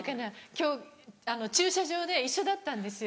今日駐車場で一緒だったんです。